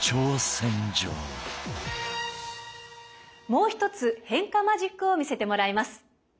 もう一つ変化マジックを見せてもらいます。